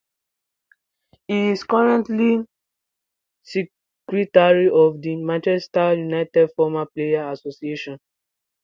He is currently secretary of the Manchester United Former Players' Association.